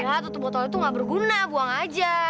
tidak tutup botolnya tuh gak berguna buang aja